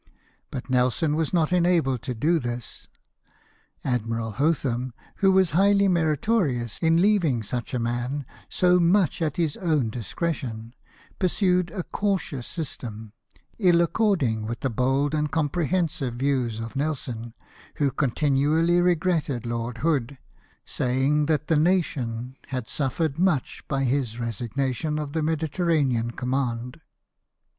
But Nelson was not enabled to do this. Admiral Hotham, who was highly meritorious in leaving such a man so much at his o^vn discretion, pursued a cautious system, ill according with the bold and comprehensive views of Nelson, who con tinually regretted Lord Hood, saying that the nation had suffered much by his resignation of the Medi COMPLAINTS AGAINST NELSON'S SQUADRON 89 terranean command.